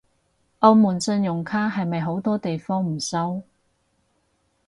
澳門信用卡係咪好多地方唔收？